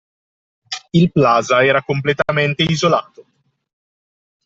Il Plaza era completamente isolato